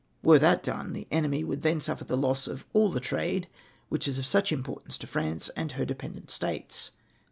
Were that done, the enemy would then suffer the loss of all the trade which is of such importance to France and her dependent states.